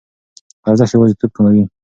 ارزښت یوازیتوب کموي.